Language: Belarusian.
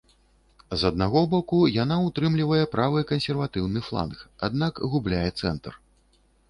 З аднаго боку, яна ўтрымлівае правы кансерватыўны фланг, аднак губляе цэнтр.